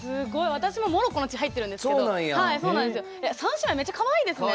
私もモロッコの血入ってるんですけど３姉妹めっちゃかわいいですね。